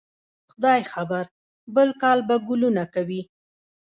خدای خبر؟ بل کال به ګلونه کوي